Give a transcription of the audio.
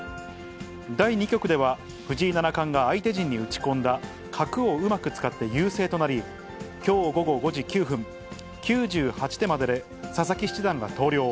第２局では、藤井七冠が相手陣に打ち込んだ角をうまく使って優勢となり、きょう午後５時９分、９８手までで、佐々木七段が投了。